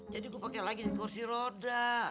jadi gue pake lagi kursi roda